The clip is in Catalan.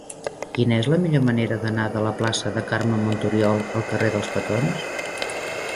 Quina és la millor manera d'anar de la plaça de Carme Montoriol al carrer dels Petons?